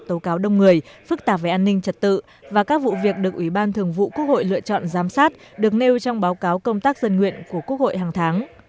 tố cáo đông người phức tạp về an ninh trật tự và các vụ việc được ủy ban thường vụ quốc hội lựa chọn giám sát được nêu trong báo cáo công tác dân nguyện của quốc hội hàng tháng